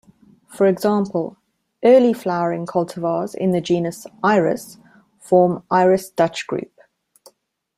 For example, early flowering cultivars in the genus "Iris" form "Iris" Dutch Group".